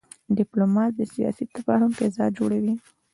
ډيپلومات د سیاسي تفاهم فضا جوړوي.